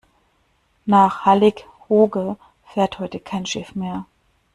Nach Hallig Hooge fährt heute kein Schiff mehr.